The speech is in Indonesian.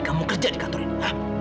kamu kerja di kantor ini